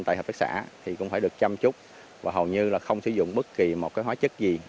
tại hợp tác xã thì cũng phải được chăm chút và hầu như là không sử dụng bất kỳ một cái hóa chất gì